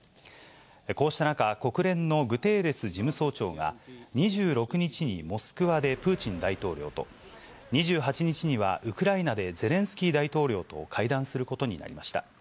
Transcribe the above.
こうした中、国連のグテーレス事務総長が、２６日にモスクワでプーチン大統領と、２８日にはウクライナでゼレンスキー大統領と会談することになりました。